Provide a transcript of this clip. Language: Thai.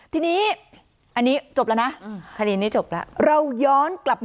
ทีนี้อันนี้จบแล้วนะ